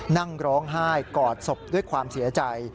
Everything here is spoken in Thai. นั่งร้องไห้กอดศพด้วยความเสียใจ